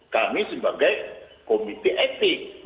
kami sebagai komite etik